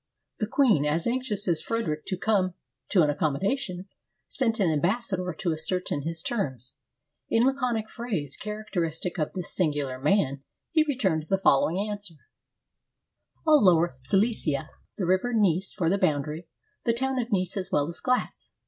The queen, as anxious as Frederic to come to an accommodation, sent an ambassador to as certain his terms. In laconic phrase, characteristic of this singular man, he returned the following answer :— "All lower Silesia; the river Neiss for the boundary. The town of Neiss as well as Glatz.